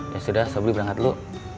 ya sudah saya beli berangkat dulu